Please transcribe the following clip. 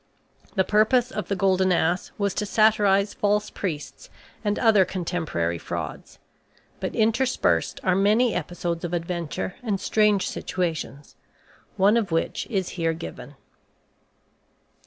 The purpose of "The Golden Ass" was to satirize false priests and other contemporary frauds. But interspersed are many episodes of adventure and strange situations, one of which is here given.